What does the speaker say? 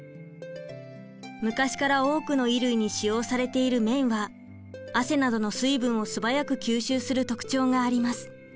昔から多くの衣類に使用されている綿は汗などの水分を素早く吸収する特徴があります。